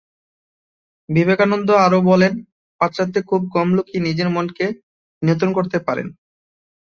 বিবেকানন্দ আরো বলেন, পাশ্চাত্যে খুব কম লোকই নিজের মনকে নিয়ন্ত্রণ করতে পারেন।